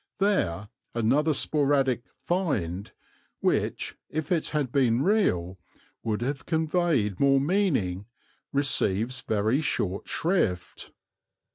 There another sporadic "find," which if it had been real would have conveyed more meaning, receives very short shrift.